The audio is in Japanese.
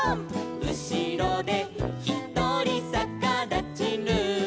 「うしろでひとりさかだちルー」